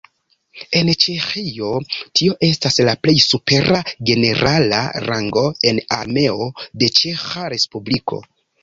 En Ĉeĥio tio estas la plej supera generala rango en Armeo de Ĉeĥa respubliko.